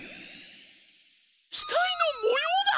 ひたいのもようだ！